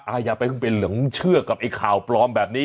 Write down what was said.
อย่าไปเพิ่งไปหลงเชื่อกับไอ้ข่าวปลอมแบบนี้